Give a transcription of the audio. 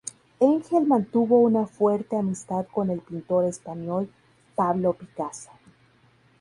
Engel mantuvo una fuerte amistad con el pintor español Pablo Picasso.